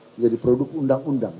menjadi produk undang undang